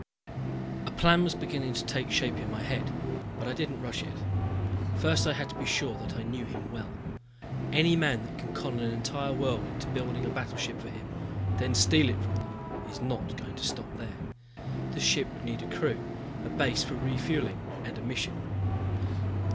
A plan was beginning to take shape in my head, but I didn't rush it. First I had to be sure that I knew him well. Any man that can con an entire world into building a battleship for him then steal it from them is not going to stop there. The ship would need a crew, a base for refueling and a mission.